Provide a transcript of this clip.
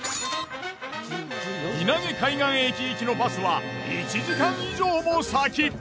稲毛海岸駅行きのバスは１時間以上も先。